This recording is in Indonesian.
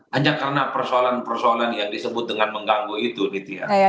hanya karena persoalan persoalan yang disebut dengan mengganggu itu gitu ya